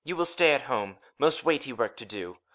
Ehf You Will stay at home, most weighty work to do.